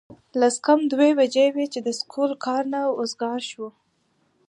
لس کم دوه بجې وې چې د سکول کار نه اوزګار شو